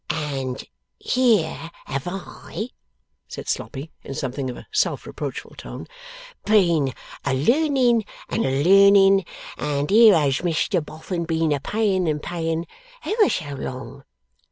'And here have I,' said Sloppy, in something of a self reproachful tone, 'been a learning and a learning, and here has Mr Boffin been a paying and a paying, ever so long!